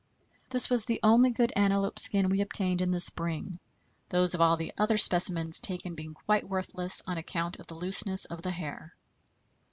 This was the only good antelope skin we obtained in the spring, those of all the other specimens taken being quite worthless on account of the looseness of the hair.